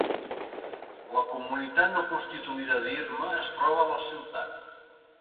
La comunitat no constituïda d'Irma es troba a la ciutat.